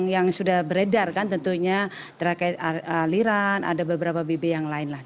yang sudah beredar kan tentunya terkait aliran ada beberapa bb yang lain lah